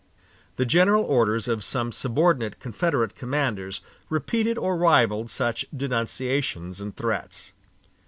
The general orders of some subordinate Confederate commanders repeated or rivaled such denunciations and threats.